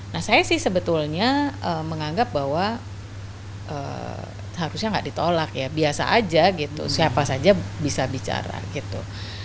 nah saya sih sebetulnya menganggap bahwa harusnya nggak ditolak ya biasa aja gitu siapa saja bisa bicara gitu